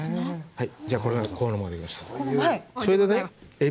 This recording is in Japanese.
はい。